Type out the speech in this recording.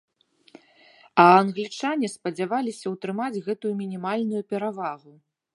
А англічане спадзяваліся ўтрымаць гэтую мінімальную перавагу.